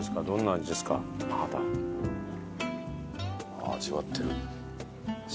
ああ味わってる。